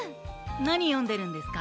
なによんでるんですか？